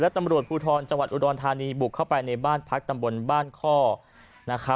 ตำรวจภูทรจังหวัดอุดรธานีบุกเข้าไปในบ้านพักตำบลบ้านข้อ